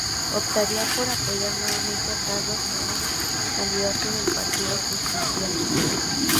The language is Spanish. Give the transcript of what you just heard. Optaría por apoyar nuevamente a Carlos Menem, candidato del Partido Justicialista.